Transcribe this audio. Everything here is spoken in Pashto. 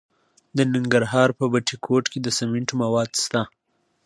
د ننګرهار په بټي کوټ کې د سمنټو مواد شته.